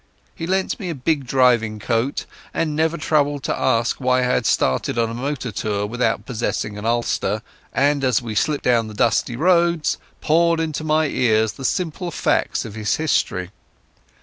He lent me a big driving coat—and never troubled to ask why I had started on a motor tour without possessing an ulster—and, as we slipped down the dusty roads, poured into my ears the simple facts of his history.